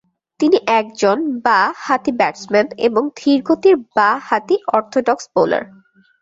তিনি একজন বা-হাতি ব্যাটসম্যান এবং ধীরগতির বা-হাতি অর্থডক্স বোলার।